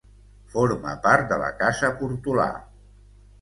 Forma part de la casa Portolà.